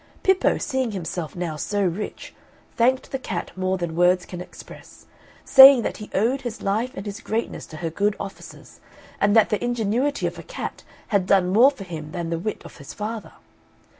Pippo, seeing himself now so rich, thanked the cat more than words can express, saying that he owed his life and his greatness to her good offices; and that the ingenuity of a cat had done more for him that the wit of his father.